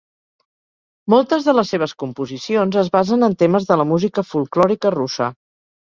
Moltes de les seves composicions es basen en temes de la música folklòrica russa.